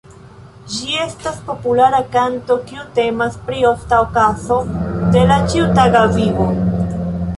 Ĝi estas populara kanto kiu temas pri ofta okazo de la ĉiutaga vivo.